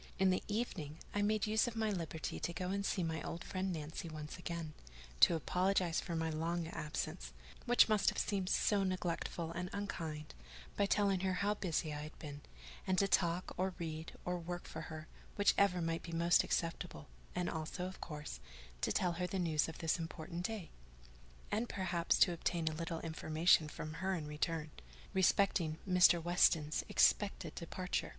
In the evening, I made use of my liberty to go and see my old friend Nancy once again; to apologize for my long absence (which must have seemed so neglectful and unkind) by telling her how busy I had been; and to talk, or read, or work for her, whichever might be most acceptable, and also, of course, to tell her the news of this important day: and perhaps to obtain a little information from her in return, respecting Mr. Weston's expected departure.